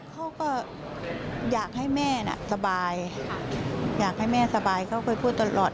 เขาก็อยากให้แม่น่ะสบายอยากให้แม่สบายเขาเคยพูดตลอด